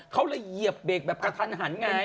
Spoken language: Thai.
เขาเลยเยียบเบรกแหงเอเว่นทันหันไง